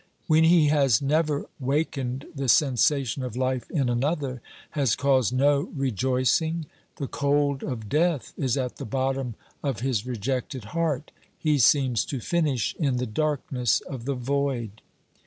When he has never wakened the sensation of hfe in another, has caused no rejoicing, the cold of death is at the bottom of his rejected heart ; he seems to finish in the darkness of the void.